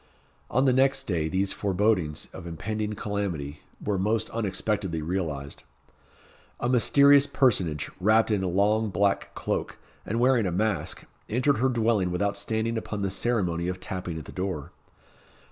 On the next day, these forebodings of impending calamity were most unexpectedly realised. A mysterious personage, wrapped in a long black cloak, and wearing a mask, entered her dwelling without standing upon the ceremony of tapping at the door.